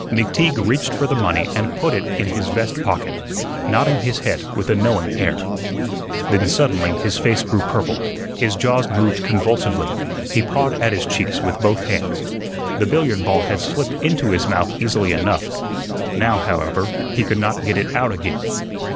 McTeague reached for the money and put it in his vest pocket, nodding his head with a knowing air. Then suddenly his face grew purple, his jaws moved convulsively, he pawed at his cheeks with both hands. The billiard ball had slipped into his mouth easily enough; now, however, he could not get it out again.